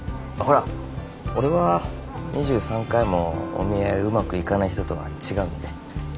ほら俺は２３回もお見合いうまくいかない人とは違うんで。